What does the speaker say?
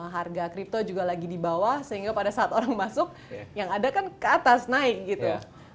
harga crypto juga lagi di bawah sehingga pada saat orang masuk yang ada kan ke atas naik gitu